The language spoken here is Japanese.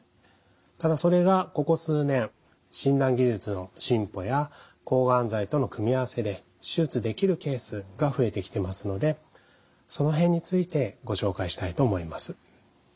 ただそれがここ数年診断技術の進歩や抗がん剤との組み合わせで手術できるケースが増えてきてますのでその辺についてご紹介したいと思います。